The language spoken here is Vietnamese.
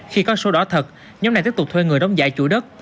khi có sổ đỏ thật nhóm này tiếp tục thuê người đóng giải chủ đất